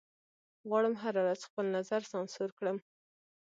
غواړم هره ورځ خپل نظر سانسور کړم